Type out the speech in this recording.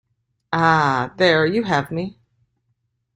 Ah, there you have me.